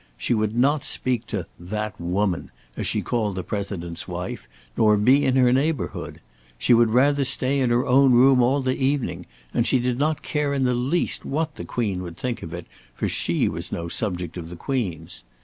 She would not speak to "that woman," as she called the President's wife, nor be in her neighbourhood. She would rather stay in her own room all the evening, and she did not care in the least what the Queen would think of it, for she was no subject of the Queen's.